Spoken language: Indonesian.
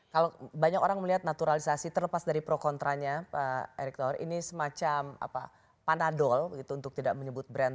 kalau banyak orang melihat naturalisasi terlepas dari pro kontranya pak erick thohir ini semacam panadol untuk tidak menyebut brand